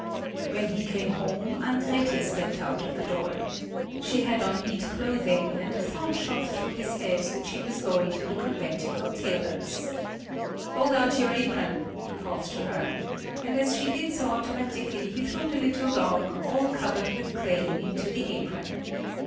When he came home, Ann Grethe stepped out of the door. She had on neat clothing, and the thought shot through his head that she was going to the conventicle tailor's. "Hold out your apron!" he called to her, and as she did so automatically, he threw the little dog, all covered with clay, into the apron.